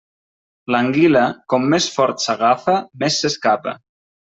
L'anguila, com més fort s'agafa més s'escapa.